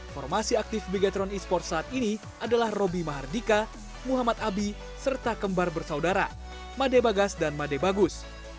formasi aktif beachtron e sports saat ini adalah roby mahardika muhammad abi serta kembar bersaudara made bagas dan made bagus